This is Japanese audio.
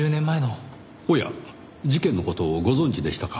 おや事件の事をご存じでしたか。